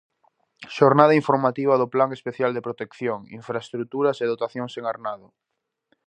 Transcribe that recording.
Xornada informativa do plan especial de protección, infraestruturas e dotacións en Arnado.